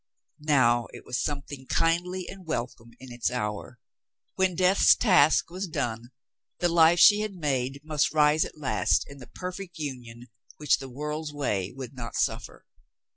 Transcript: Now, It was something kindly and welcome in its hour. When death's task was done, the life she had made must rise at last in the perfect union which the world's way would not suf fer.